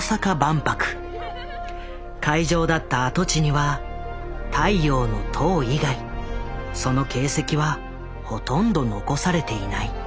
会場だった跡地には「太陽の塔」以外その形跡はほとんど残されていない。